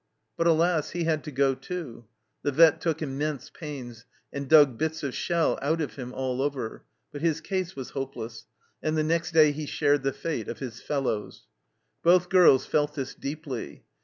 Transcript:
But alas, he had to go too ! The vet took immense pains, and dug bits of shell out of him all over, but his case was hopeless, and the next day he shared the fate of his fellows. Both girls felt this deeply.